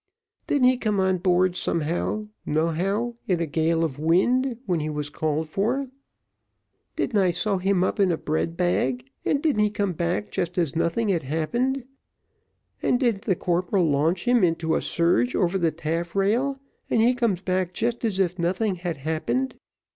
Didn't he come on board some how no how in a gale of wind when he was called for? Didn't I sew him up in a bread bag, and didn't he come back just as nothing had happened; and didn't the corporal launch him into a surge over the taffrail, and he comes back just as if nothing had happened?